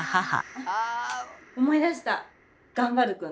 思い出した！